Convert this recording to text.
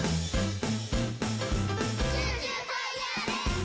「ジュージューファイヤーレッツシャオ」